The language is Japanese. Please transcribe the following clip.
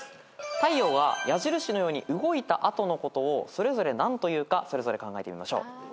太陽が矢印のように動いた後のことをそれぞれ何というか考えてみましょう。